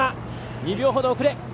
２秒ほど遅れ。